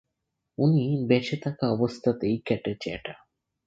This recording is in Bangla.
উনি বেঁচে থাকা অবস্থাতেই কেটেছে এটা।